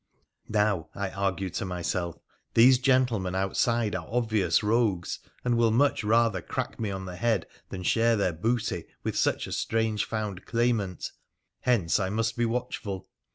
Now, I argued to myself, these gentlemen outside are obvious rogues, and will much rather crack me on the head than share their booty with such a strange found claimant, hence I must be watchful.